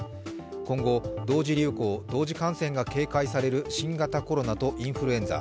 今後同時流行・同時感染が警戒される新型コロナとインフルエンザ。